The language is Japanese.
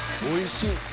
おいしい！